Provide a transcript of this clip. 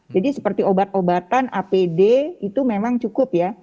jadi seperti obat obatan apd itu memang cukup ya